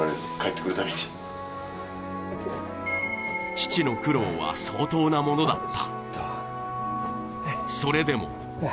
父の苦労は相当なものだった。